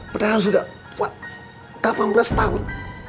padahal sudah delapan belas tahun